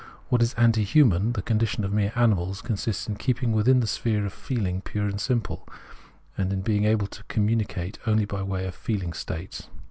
What is anti human, the condition of mere animals, consists in keeping within the sphere of feeling pure and simple, and in being able to communicate only by way of feehng states.